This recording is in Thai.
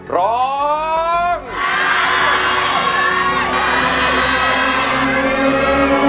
ร้อง